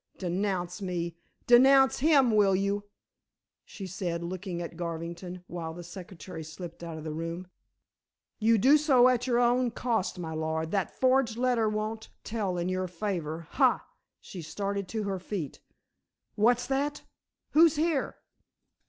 Denounce me; denounce him, will you?" she said, looking at Garvington while the secretary slipped out of the room; "you do so at your own cost, my lord. That forged letter won't tell in your favor. Ha!" she started to her feet. "What's that! Who's here?"